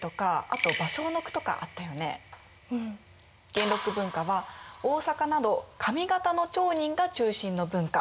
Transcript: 元禄文化は大坂など上方の町人が中心の文化。